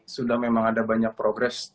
sudah memang ada banyak progres